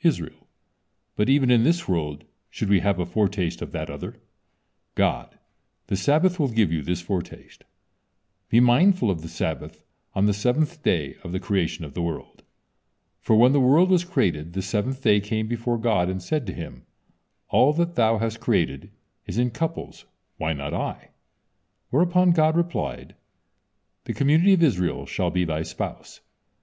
Israel: "But even in this world should we have a foretaste of that other." God: "The Sabbath will give you this foretaste. Be mindful of the Sabbath on the seventh day of the creation of the world." For when the world was created, the seventh day came before God, and said to Him: "All that Thou has created is in couples, why not I?" Whereupon God replied, "The community of Israel shall be thy spouse."